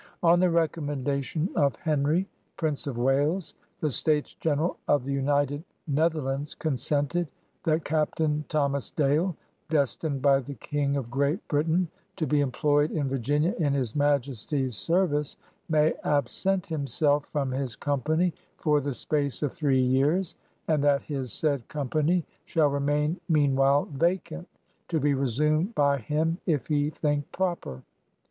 On the recommendation of Henry, Prince of Wales, the States General of the United Netherlands consented that Captain Thomas Dale (destined by the Eang of Great ' Britain to be employed in Virginia in his Majesty's service) may absent himself from his company for the space of three years, and that his said company shall remain meanwhile vacant, to be resumed by him if he think prc^r."